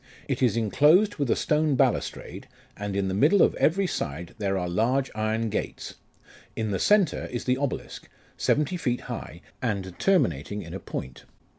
It is enclosed with a stone balustrade, and in the middle of every side there are large iron gates. In the centre is the obelisk, seventy feet high, and terminating in a point.